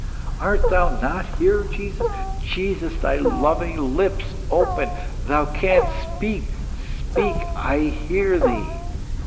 Art Thou not here, Jesus? Jesus, Thy loving lips open. Thou canst speak; speak, I hear Thee!